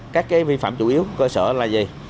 các vi phạm chủ yếu của cơ sở là gì